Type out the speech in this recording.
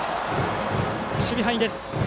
守備範囲でした。